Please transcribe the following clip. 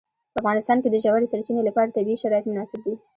په افغانستان کې د ژورې سرچینې لپاره طبیعي شرایط مناسب دي.